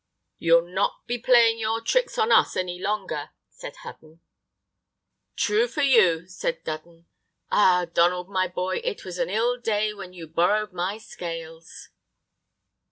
"You'll not be playing your tricks on us any longer," said Hudden. "True for you," said Dudden. "Ah, Donald, my boy, it was an ill day when you borrowed my scales!"